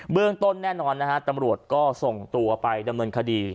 เรื่องต้นแน่นอนนะฮะตำรวจก็ส่งตัวไปดำเนินคดี